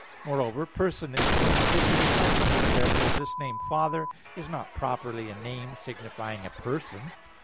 Moreover "person" is an individual substance. Therefore this name "Father" is not properly a name signifying a Person.